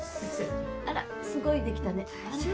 あらすごいできたね。